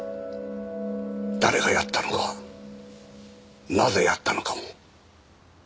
誰がやったのかなぜやったのかも。